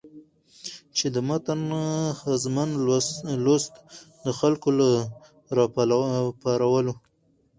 چې د متن ښځمن لوست د خلکو له راپارولو